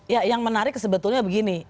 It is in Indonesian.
ya yang menarik sebetulnya begini